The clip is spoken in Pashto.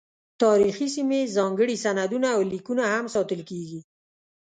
تاریخي سیمې، ځانګړي سندونه او لیکونه هم ساتل کیږي.